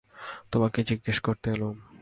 তোমাকে জিজ্ঞাসা করতে এলুম।